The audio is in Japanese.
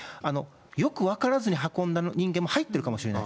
よく分からずに運んだ人間も入ってるかもしれない。